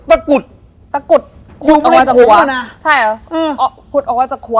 ตะกรุดตะกรุดคุดออกว่าจะคัวใช่เหรออืมอ๋อคุดออกว่าจะคัว